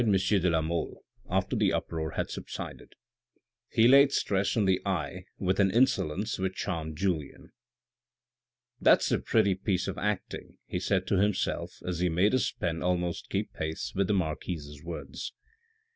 de la Mole, after the uproar had subsided. He laid stress on the " I " with an insolence which charmed Julien. "That's a pretty piece of acting," he said to himself, as he made his pen almost keep pace with the marquis' words.